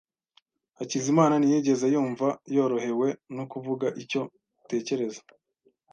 Hakizimana ntiyigeze yumva yorohewe no kuvuga icyo atekereza.